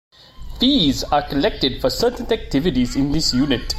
Fees are collected for certain activities in this unit.